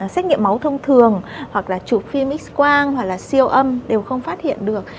xét nghiệm máu thông thường hoặc là chụp phim x quang hoặc là siêu âm đều không phát hiện được